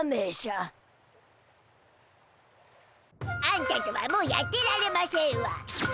あんたとはもうやってられませんわ。